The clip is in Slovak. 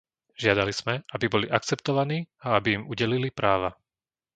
Žiadali sme, aby boli akceptovaní a aby im udelili práva.